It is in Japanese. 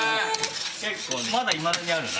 結構まだいまだにあるな。